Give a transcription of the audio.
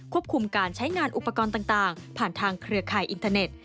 คุมการใช้งานอุปกรณ์ต่างผ่านทางเครือข่ายอินเทอร์เน็ต